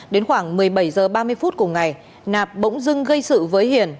đến khoảng một mươi bảy h ba mươi cùng ngày nạp bỗng dưng gây sự với hiền